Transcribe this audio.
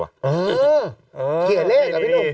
หื้อเขียเลขอะพี่ดุ